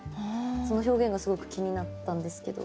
その表現がすごく気になったんですけど。